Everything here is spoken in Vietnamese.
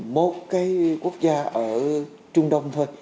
một cái quốc gia ở trung đông thôi